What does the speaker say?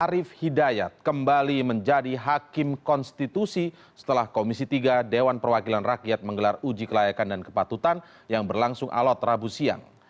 arief hidayat kembali menjadi hakim konstitusi setelah komisi tiga dewan perwakilan rakyat menggelar uji kelayakan dan kepatutan yang berlangsung alat rabu siang